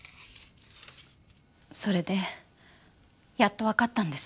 それでやっとわかったんです。